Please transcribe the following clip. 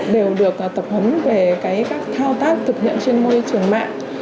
đều được tập huấn về các thao tác thực hiện trên môi trường mạng